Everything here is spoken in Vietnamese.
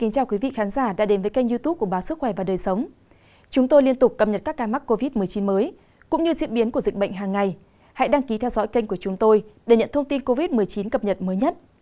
các bạn hãy đăng ký kênh của chúng tôi để nhận thông tin cập nhật mới nhất